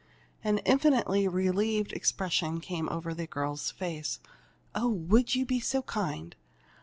An infinitely relieved expression came over the girl's face. "Oh, would you be so kind?